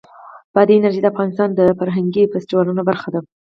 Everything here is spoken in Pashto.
بادي انرژي د افغانستان د فرهنګي فستیوالونو برخه ده.